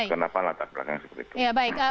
kenapa latar belakangnya seperti itu